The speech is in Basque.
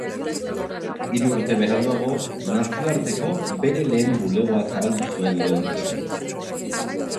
Hiru urte beranduago, nazioarteko bere lehen bulegoa zabaldu zuen Londresen.